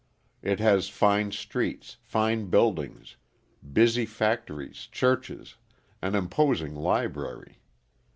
It has fine streets, fine buildings, busy factories, churches, an imposing library.